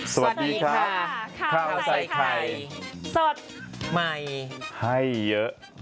สวัสดีครับข้าวใส่ไข่สดใหม่ให้เยอะ